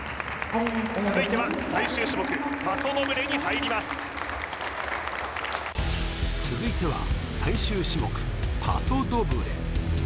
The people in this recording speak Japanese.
続いては最終種目パソドブレに入ります続いては最終種目パソドブレ